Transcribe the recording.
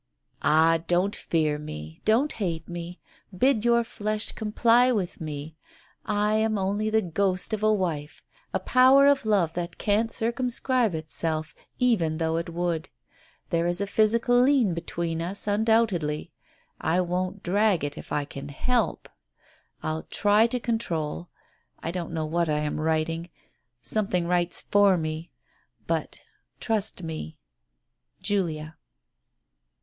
"Ah, don't fear me, don't hate me — bid your flesh comply with me. ... I am only the ghost of a wife a power of love that can't circumscribe itself, even though it would. There is a physical lien between us, undoubtedly. I won't drag it if I can help /..• I'll Digitized by Google 56 TALES OF THE UNEASY try to control — I don't know what I am writing — some thing writes for me. But trust me. Julia."